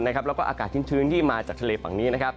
แล้วก็อากาศชื้นที่มาจากทะเลฝั่งนี้